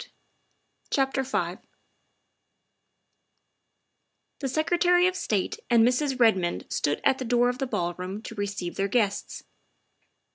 48 THE WIFE OF V THE Secretary of State and Mrs. Redmond stood at the door of the ballroom to receive their guests.